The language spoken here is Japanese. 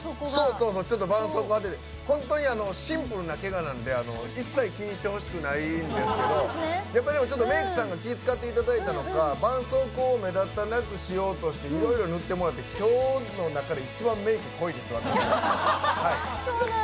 ばんそうこう貼ってて本当にシンプルなけがなんで一切気にしてほしくないんですけどやっぱりメークさんが気を遣ってくださったのかばんそうこう目立たなくしようとしていろいろ塗ってもらってきょうの中で一番メーク濃いです、私。